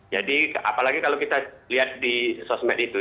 jadi apalagi kalau kita lihat di sosmed itu